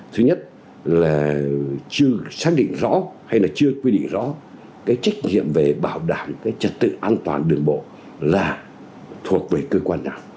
thứ nhất là chưa xác định rõ hay là chưa quy định rõ cái trách nhiệm về bảo đảm cái trật tự an toàn đường bộ là thuộc về cơ quan nào